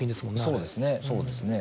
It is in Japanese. そうですねそうですね。